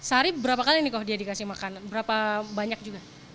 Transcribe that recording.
sehari berapa kali ini kok dia dikasih makan berapa banyak juga